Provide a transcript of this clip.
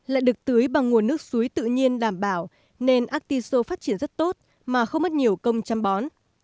lại được tưới bằng nguồn nước suối tự nhiên đảm bảo nên artiso phát triển rất tốt mà không mất nhiều công chăm bón